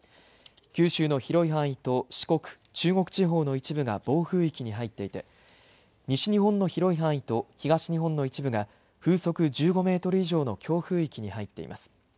九州の広い範囲と四国、中国地方の一部が暴風域に入っていて西日本の広い範囲と東日本の一部が風速１５メートル以上の強風域に入っています。